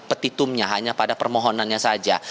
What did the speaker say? petitumnya hanya pada permohonannya saja